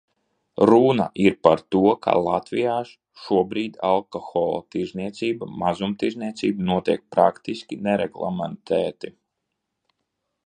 Runa ir par to, ka Latvijā šobrīd alkohola tirdzniecība, mazumtirdzniecība, notiek praktiski nereglamentēti.